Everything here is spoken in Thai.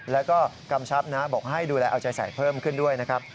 แล้วก็กำชับนะบอกให้ดูแลเอาใจใส่เพิ่มขึ้นด้วยนะครับ